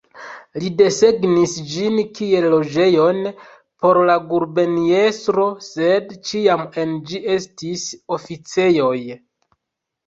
Li desegnis ĝin kiel loĝejon por la guberniestro, sed ĉiam en ĝi estis oficejoj.